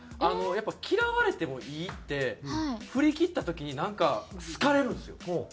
あのやっぱ嫌われてもいいって振り切った時になんか好かれるんですよ。